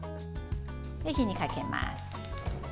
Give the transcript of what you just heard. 火にかけます。